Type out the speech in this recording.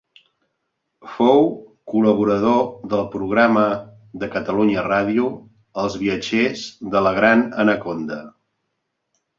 Fou col·laborador del programa de Catalunya Ràdio Els Viatgers de la Gran Anaconda.